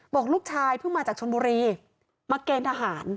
บอกลูกชายเพิ่งมาจากชนบุรีมาเกณฑ์ทหาร